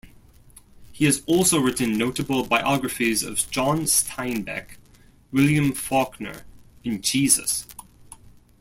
He has also written notable biographies of John Steinbeck, William Faulkner, and Jesus.